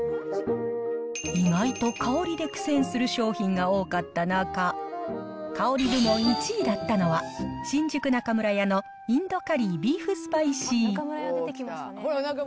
意外と香りで苦戦する商品が多かった中、香り部門１位だったのは、新宿中村屋のインドカリービーフスパイシー。